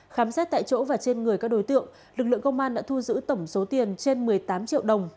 khám xét tại chỗ và trên người các đối tượng lực lượng công an đã thu giữ tổng số tiền trên một mươi tám triệu đồng